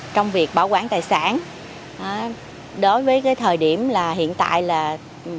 trong việc bảo quản tài sản đối với cái thời điểm là hiện tại là tết nguyên đáng